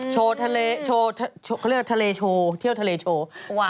เขาเรียกว่าเที่ยวทะเลโชว์